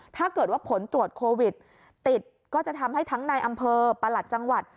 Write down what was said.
ถ้าเกิดว่าผลตรวจโควิดติดก็จะทำให้ทั้งในอำเภอประหลัดจังหวัด